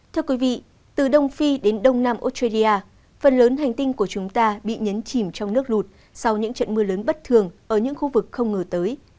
thưa quý vị từ đông phi đến đông nam australia phần lớn hành tinh của chúng ta bị nhấn chìm trong nước lụt sau những trận mưa lớn bất thường ở những khu vực không ngờ tới